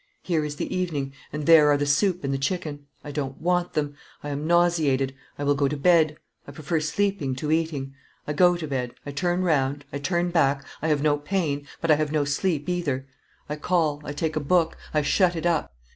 Here is the evening, and there are the soup and the chicken: I don't want them. I am nauseated; I will go to bed; I prefer sleeping to eating. I go to bed, I turn round, I turn back, I have no pain, but I have no sleep either. I call, I take a book, I shut it up.